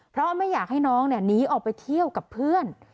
เพราะไม่อยากให้น้องหนีออกไปเที่ยวกับเพื่อน